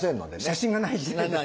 写真がない時代ですね。